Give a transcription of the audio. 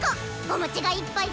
お餅がいっぱい。